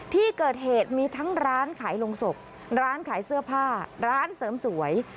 ที่เกิดเหตุมีทั้งร้านขายลงศพร้านขายเสื้อผ้าร้านเสริมสวย